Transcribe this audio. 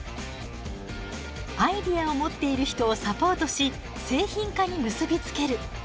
アイデアを持っている人をサポートし製品化に結び付ける。